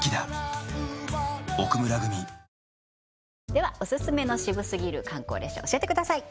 ではオススメのシブすぎる観光列車教えてください